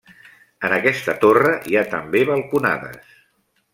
En aquesta torre hi ha també balconades.